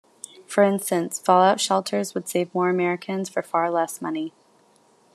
For instance, fallout shelters would save more Americans for far less money.